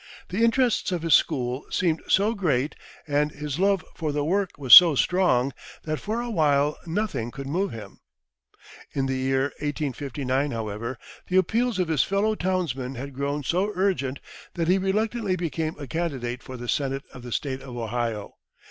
The interests of his school seemed so great, and his love for the work was so strong, that for a while nothing could move him. In the year 1859, however, the appeals of his fellow townsmen had grown so urgent, that he reluctantly became a candidate for the Senate of the State of Ohio.